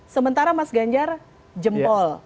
sementara mas ganjar jempol